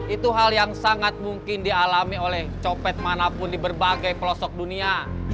itu hal yang sangat mungkin dialami oleh copet manapun di berbagai pelosok dunia